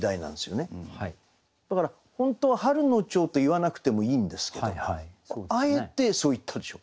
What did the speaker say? だから本当は「春の蝶」と言わなくてもいいんですけどもあえてそう言ったでしょ。